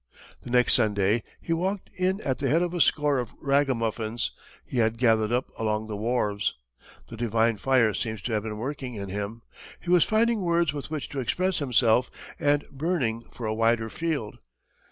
The next Sunday he walked in at the head of a score of ragamuffins he had gathered up along the wharves. The divine fire seems to have been working in him; he was finding words with which to express himself, and burning for a wider field.